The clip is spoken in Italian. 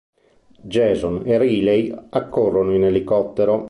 Jason e Riley accorrono in elicottero.